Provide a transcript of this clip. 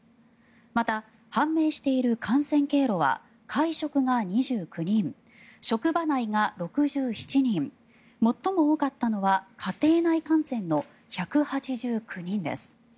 また、判明している感染経路は会食が２９人職場内が６７人最も多かったのは家庭内感染の１８９人です。